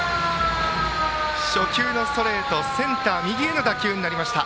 初球のストレートセンター右への打球になりました。